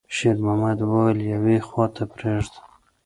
شېرمحمد وويل: «يوې خواته پرېږده.»